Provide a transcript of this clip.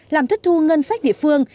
làm thất thu ngân sách địa phương